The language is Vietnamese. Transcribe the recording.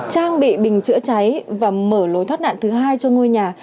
trang bị bình chữa cháy và mở lối thoát nạn thứ hai cho ngôi nhà